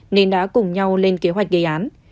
nên đã cùng nhau lên kế hoạch gây án